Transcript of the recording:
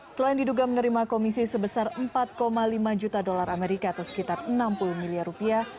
selain diduga menerima komisi sebesar empat lima juta dolar amerika atau sekitar enam puluh miliar rupiah